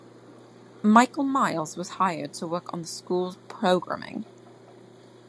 Michael Miles was hired to work on the school's programming.